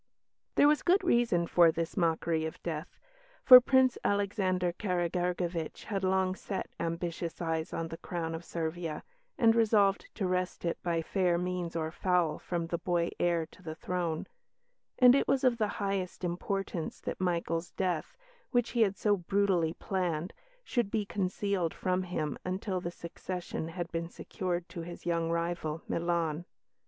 There was good reason for this mockery of death, for Prince Alexander Karageorgevitch had long set ambitious eyes on the crown of Servia, and resolved to wrest it by fair means or foul from the boy heir to the throne; and it was of the highest importance that Michael's death, which he had so brutally planned, should be concealed from him until the succession had been secured to his young rival, Milan.